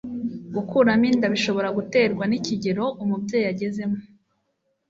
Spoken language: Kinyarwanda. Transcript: Gukuramo inda bishobora guterwa n'ikigero umubyeyi agezemo